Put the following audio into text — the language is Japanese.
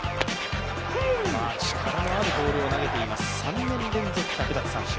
力のあるボールを投げています、３年連続１００奪三振。